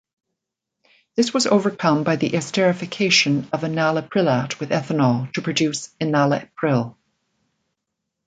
This was overcome by the esterification of enalaprilat with ethanol to produce enalapril.